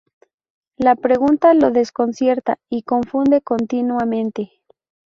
La pregunta lo desconcierta y confunde continuamente.